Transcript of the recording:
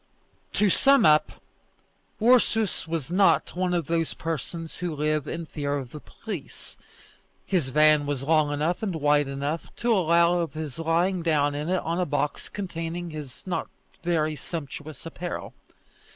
To sum up, Ursus was not one of those persons who live in fear of the police. His van was long enough and wide enough to allow of his lying down in it on a box containing his not very sumptuous apparel.